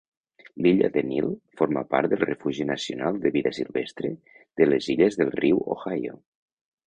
L'illa de Neal forma part del Refugi Nacional de Vida Silvestre de les Illes del Riu Ohio.